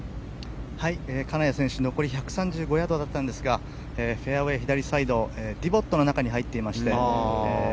金谷選手残り１３５ヤードでしたがフェアウェー左サイドディボットの中に入っていまして